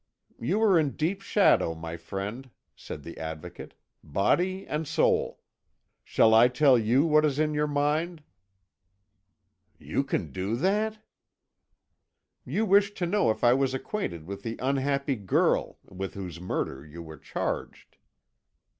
"You are in deep shadow, my friend," said the Advocate, "body and soul. Shall I tell you what is in your mind?" "You can do that?" "You wish to know if I was acquainted with the unhappy girl with whose murder you were charged."